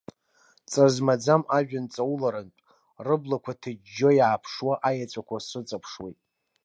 Ҵа змаӡам ажәҩан ҵауларантә, рыблақәа ҭыџьџьо иааԥшуа аеҵәақәа срыҵаԥшуеит.